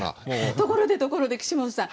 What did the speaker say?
ところでところで岸本さん